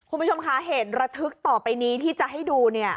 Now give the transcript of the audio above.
คุณผู้ชมคะเหตุระทึกต่อไปนี้ที่จะให้ดูเนี่ย